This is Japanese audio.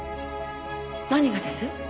何がです？